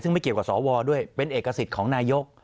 ซึ่งไม่เกี่ยวกับสวด้วยเป็นเอกสิทธิ์ของนายก